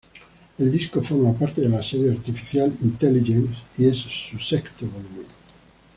El disco forma parte de la serie Artificial Intelligence, y es su sexto volumen.